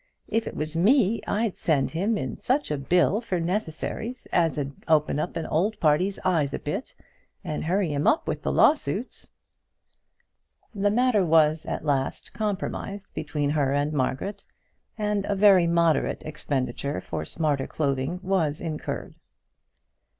If it was me, I'd send him in such a bill for necessaries as 'ud open that old party's eyes a bit, and hurry him up with his lawsuits." The matter was at last compromised between her and Margaret, and a very moderate expenditure for smarter clothing was incurred.